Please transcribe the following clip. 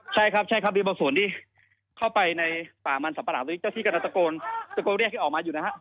ใช่ครับใช่ครับมีบางส่วนที่เข้าไปในป่ามันสัมปะหลังเจ้าที่กำลังตะโกนตะโกนเรียกให้ออกมาอยู่นะฮะ